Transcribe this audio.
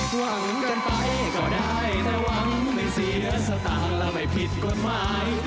หวังเกินไปก็ได้แต่หวังไม่เสียสตาร์และไม่ผิดกฎหมาย